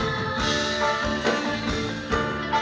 รับทั้งทั้ง